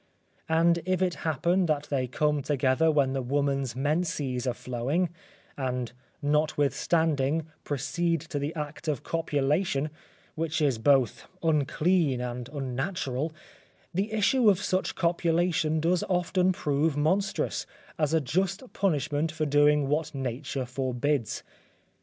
And if it happen that they come together when the woman's menses are flowing, and notwithstanding, proceed to the act of copulation, which is both unclean and unnatural, the issue of such copulation does often prove monstrous, as a just punishment for doing what nature forbids.